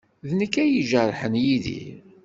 D nekk ay ijerḥen Yidir.